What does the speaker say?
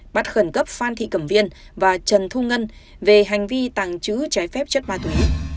bắt khẩn cấp phan thị cẩm viên và trần thu ngân về hành vi tàng trữ trái phép chất ma túy